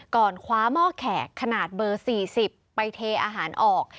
ก่อนคว้าหม้อแขกขนาดเบอร์๔๐ไปเทอาหารออก